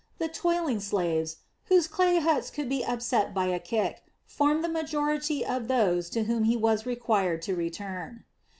The toiling slaves, whose clay huts could be upset by a kick, formed the majority of those to whom he was required to return.